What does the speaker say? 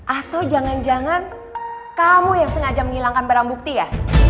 atau jangan jangan kamu yang sengaja menghilangkan barang bukti ya